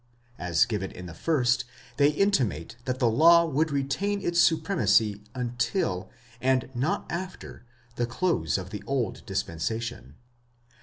As given in the first, they intimate that the Jaw would retain its supremacy until, and not after, the close of the old dispensation.